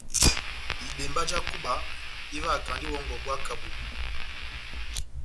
Ibembá já kuba ivahakand'ivòngò buwa kà buwa.